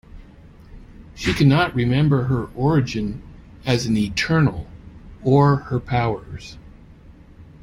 She cannot remember her origin as an Eternal, or her powers.